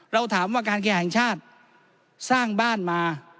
เราถามว่าการแข่งชาติสร้างบ้านมา